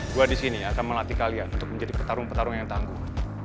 gue disini akan melatih kalian untuk menjadi petarung petarung yang tangguh